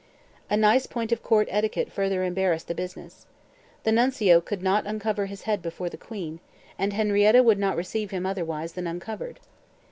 A nice point of court etiquette further embarrassed the business. The Nuncio could not uncover his head before the Queen, and Henrietta would not receive him otherwise than uncovered.